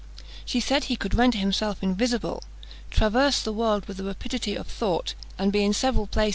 She said he could render himself invisible, traverse the world with the rapidity of thought, and be in several places at the same time.